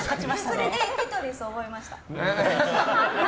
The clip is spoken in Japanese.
それで「テトリス」覚えました。